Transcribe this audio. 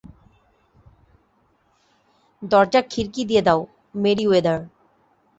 দরজা খিড়কি দিয়ে দাও, মেরিওয়েদার।